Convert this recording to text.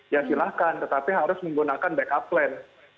ya silahkan tetapi harus menggunakan backup plan